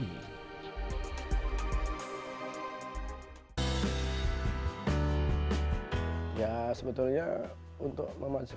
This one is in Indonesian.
soim perusahaan yang berhasil mengembangkan pemasaran digital